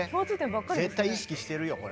絶対意識してるよこれ。